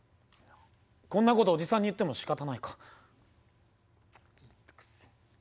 こんなことおじさんに言ってもしかたないか。